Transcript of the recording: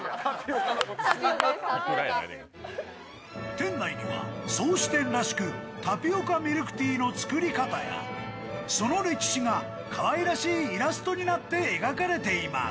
店内には創始店らしくタピオカミルクティーの作り方やその歴史がかわいらしいイラストになって描かれています。